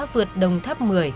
vượt đồng thấp một mươi